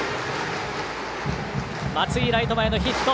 松井、ライト前のヒット。